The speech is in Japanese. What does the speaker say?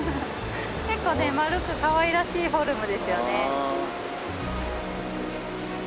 結構ね丸くかわいらしいフォームですよね。